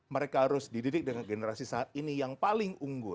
mereka harus dididik dengan generasi saat ini yang paling unggul